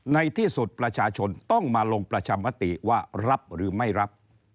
ในที่สุดประชาชนต้องมาลงประชามติว่ารับหรือไม่รับ